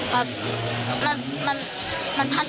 ผมก็ร้องครับ